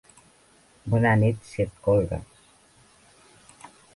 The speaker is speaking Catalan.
Bona nit si et colgues!